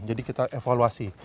jadi kita evaluasi